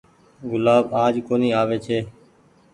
گلآب آج ڪونيٚ آوي ڇي۔